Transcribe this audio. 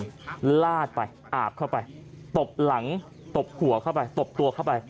ลาดไปอาบเข้าไปตบหลังตบหัวเข้าไปตบตัวเข้าไป